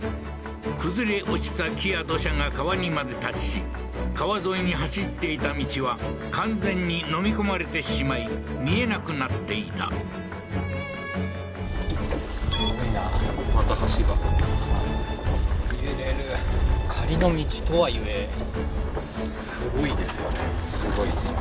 崩れ落ちた木や土砂が川にまで達し川沿いに走っていた道は完全に飲み込まれてしまい見えなくなっていた凄いですね